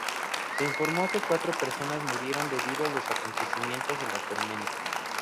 Se informó que cuatro personas murieron debido a los acontecimientos de la tormenta.